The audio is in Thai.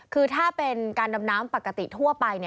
คือถ้าเป็นการดำน้ำปกติทั่วไป